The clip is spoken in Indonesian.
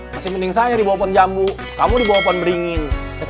masih mending saya dibawa pohon jambu kamu di bawah pohon beringin